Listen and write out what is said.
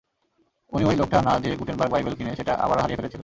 উনি অই লোকটা না যে গুটেনবার্গ বাইবেল কিনে সেটা আবার হারিয়েও ফেলেছিল!